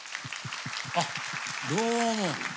あっどうも。